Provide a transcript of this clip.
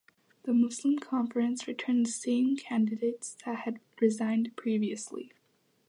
The Muslim Conference returned the same candidates that had resigned previously.